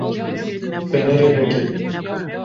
Fenerê veke.